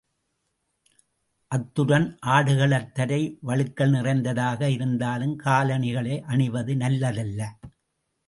அத்துடன், ஆடுகளத் தரை வழுக்கல் நிறைந்ததாக இருந்தாலும் காலணிகளை அணிவது நல்லதல்ல.